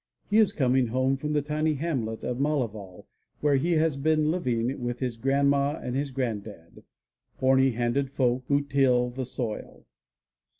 He is coming home from the tiny hamlet of Malaval where he has been living with his grandam and his grandad, horny handed folk who till the soil.